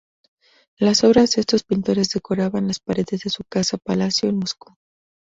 Las obras de estos pintores decoraban las paredes de su casa-palacio en Moscú.